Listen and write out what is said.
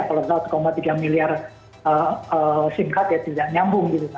kalau satu tiga miliar simkat ya tidak nyambung